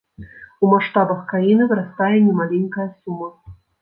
У маштабах краіны вырастае немаленькая сума.